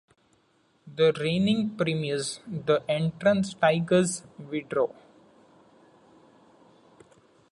The reigning premiers, The Entrance Tigers withdrew.